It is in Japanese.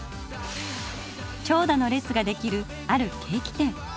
長蛇の列ができるあるケーキ店。